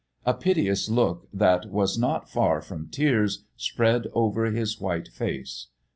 A piteous look that was not far from tears spread over his white face.